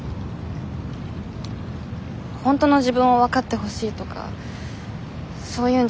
本当の自分を分かってほしいとかそういうんじゃなくてただ。